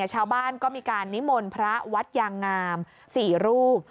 ชาวบ้านก็มีการนิมนต์พระวัดยางงาม๔รูป